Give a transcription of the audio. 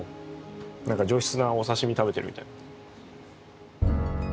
なんか上質なお刺し身食べてるみたい。